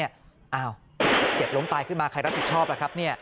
อ้าวเจ็บล้มตายขึ้นมาใครรับผิดชอบล่ะครับเนี่ย